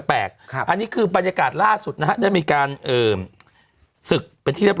อันนี้คือบรรยากาศล่าสุดนะฮะได้มีการศึกเป็นที่เรียบ